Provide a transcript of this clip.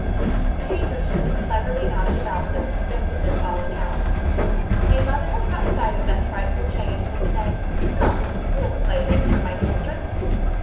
A handkerchief, cleverly knotted about them, prevented their falling out. A mother had caught sight of that frightful chain, and had said, "Come! there's a plaything for my children."